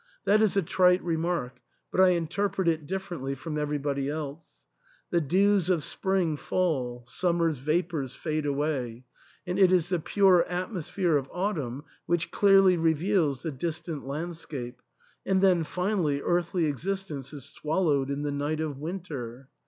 That is a trite remark ; but I interpret it differently from everybody else. The dews of spring fall, summer's vapours fade away, and it is the pure at mosphere of autumn which clearly reveals the distant landscape, and then finally earthly existence is swal lowed in the night of winter.